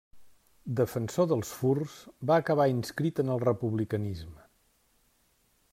Defensor dels furs, va acabar inscrit en el republicanisme.